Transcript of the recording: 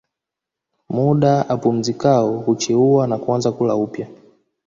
Muda apumzikao hucheua na kuanza kula upyaa